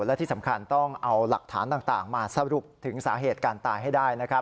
และที่สำคัญต้องเอาหลักฐานต่างมาสรุปถึงสาเหตุการตายให้ได้นะครับ